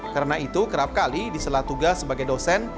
karena itu kerap kali diselat tugas sebagai dosen